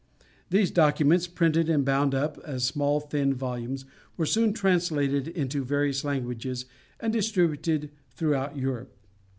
These documents, printed and bound up as small thin volumes, were soon translated into various languages and distributed throughout Europe.